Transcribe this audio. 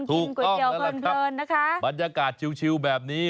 ถูกต้องแล้วแหละครับแบบมันยากาศชิวแบบนี้